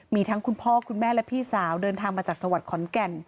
มีทั้งคุณพ่อคุณแม่และพี่สาวเดินทางมาจากจังหวัดขอนแก่น